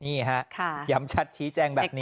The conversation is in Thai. นี่ฮะย้ำชัดชี้แจงแบบนี้